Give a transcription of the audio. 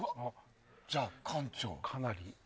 じゃあ、館長。